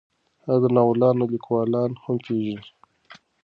هغه د ناولونو لیکوالان هم پېژني.